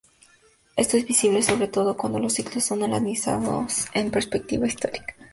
Esto es visible sobre todo cuando los ciclos son analizadas en perspectiva histórica.